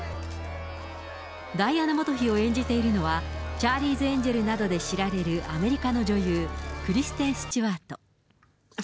ダイアナ元妃を演じているのは、チャーリーズエンジェルなどで知られるアメリカの女優、クリステン・スチュワート。